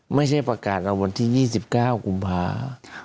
ไม่ใช่ประกาศเอาวันที่๒๙กุมภา